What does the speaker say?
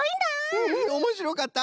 うんうんおもしろかった！